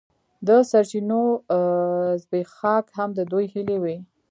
د سرچینو زبېښاک هم د دوی هیلې وې.